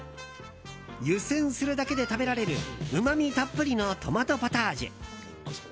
湯煎するだけで食べられるうまみたっぷりのトマトポタージュ。